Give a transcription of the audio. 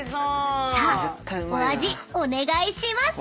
［さあお味お願いします］